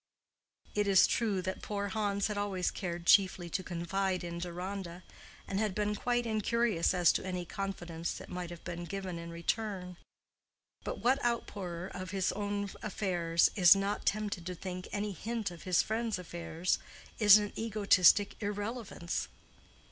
It is true that poor Hans had always cared chiefly to confide in Deronda, and had been quite incurious as to any confidence that might have been given in return; but what outpourer of his own affairs is not tempted to think any hint of his friend's affairs is an egotistic irrelevance?